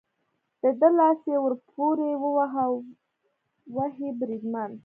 د ده لاس یې ور پورې وواهه، اوهې، بریدمن.